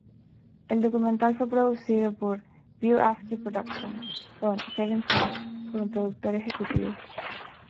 El documental fue producido por View Askew Productions con Kevin Smith como productor ejecutivo.